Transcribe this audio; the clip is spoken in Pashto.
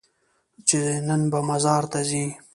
چې نن به مزار ته ځې؟